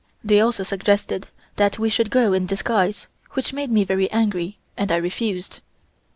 They also suggested that we should go in disguise, which made me very angry, and I refused.